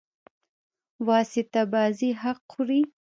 واسطه بازي حق خوري.